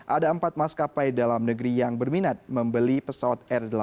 ada empat maskapai dalam negeri yang berminat membeli pesawat r delapan puluh rancangan habibie ini